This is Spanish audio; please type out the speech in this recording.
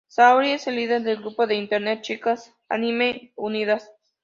Saori es la líder del grupo de Internet "¡Chicas Anime Unidas!